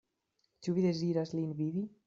Ĉu vi deziras lin vidi?